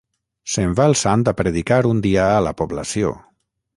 Se’n va el sant a predicar un dia a la població.